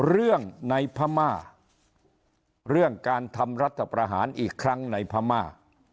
เรื่องในพม่าเรื่องการทำรัฐประหารอีกครั้งในพม่า